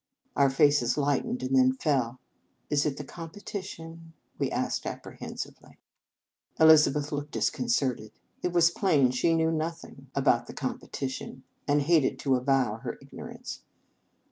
Our faces lightened, and then fell, " Is it the competition ?" I asked apprehensively. Elizabeth looked disconcerted. It was plain she knew nothing about the 216 Reverend Mother s Feast competition, and hated to avow her ignorance.